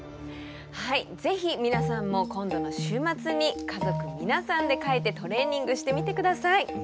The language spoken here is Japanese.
ぜひ皆さんも今度の週末に家族皆さんで書いてトレーニングしてみて下さい。